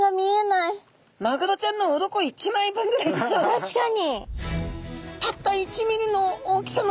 確かに。